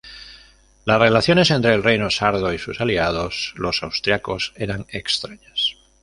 Las relaciones entre el reino Sardo y sus aliados los austriacos eran extrañas.